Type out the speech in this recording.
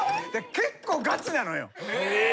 結構がちなのよ。